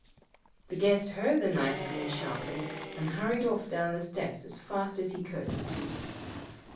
'}] The guest heard the knife being sharpened, and hurried off down the steps as fast as he could.